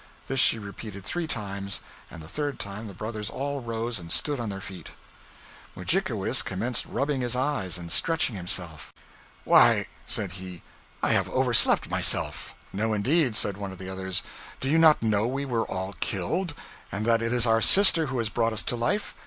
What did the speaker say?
This she repeated three times, and the third time the brothers all arose and stood on their feet. Mudjikewis commenced rubbing his eyes and stretching himself. 'Why,' said he, 'I have overslept myself.' 'No, indeed,' said one of the others, 'do you not know we were all killed, and that it is our sister who has brought us to life?'